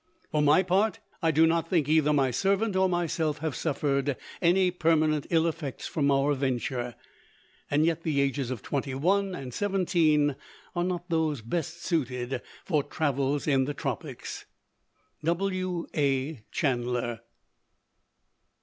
For my part, I do not think either my servant or myself have suffered any permanent ill effects from our venture; and yet the ages of twenty one and seventeen are not those best suited for travels in the tropics. _W. A. Chanler.